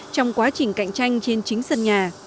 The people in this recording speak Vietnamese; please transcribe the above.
trong quá trình cạnh tranh trên chính sân nhà